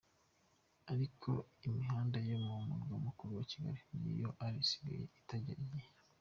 Ariko imihanda yo mu Murwa mukuru Kigali niyo yari isigaye itajyanye n’igihe.